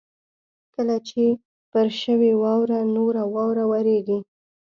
کله چې پر شوې واوره نوره واوره ورېږي